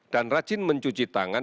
dan rajin mencuci tangan